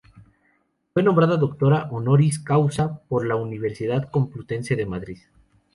Fue nombrada Doctora Honoris Causa por la Universidad Complutense de Madrid.